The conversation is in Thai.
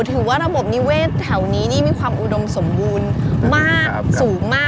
ถือว่าระบบนิเวศแถวนี้นี่มีความอุดมสมบูรณ์มากสูงมาก